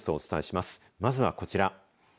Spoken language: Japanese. まずはこちら。